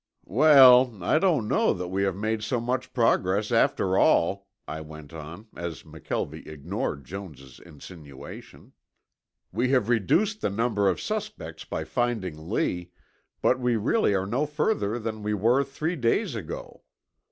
"Well, I don't know that we have made so much progress after all," I went on, as McKelvie ignored Jones' insinuation. "We have reduced the number of suspects by finding Lee, but we really are no further than we were three days ago.